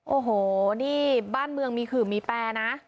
โอ้โหนี่บ้านเมืองมีขื่อมีแปรนะ